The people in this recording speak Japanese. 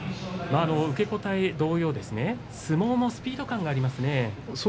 受け応え同様相撲のスピード感がありますね。